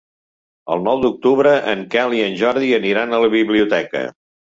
El nou d'octubre en Quel i en Jordi aniran a la biblioteca.